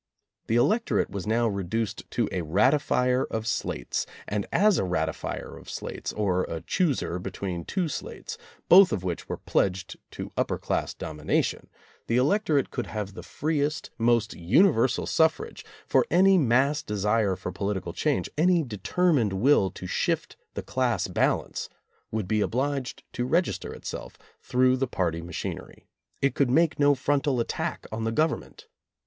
The electorate was now reduced to a ratifier of slates, and as a ratifier of slates, or a chooser between two slates, both of which were pledged to upper class domination, the electorate could have the freest, most universal suffrage, for any mass desire for political change, any determined will to shift the class balance, would be obliged to register itself through the party machinery. It could make no frontal attack on the Government.